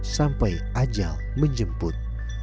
sampai ajal menjemput